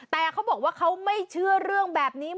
แต่เขาบอกว่าเขาไม่เชื่อเรื่องแบบนี้